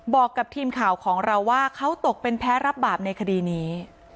บอกกับทีมข่าวของเราว่าเขาตกเป็นแพ้รับบาปในคดีนี้